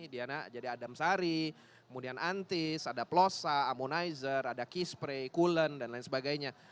diana jadi adam sari kemudian antis ada plosa ammonizer ada key spray kulen dan lain sebagainya